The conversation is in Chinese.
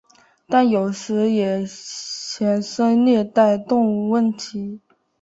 但有时也衍生虐待动物问题。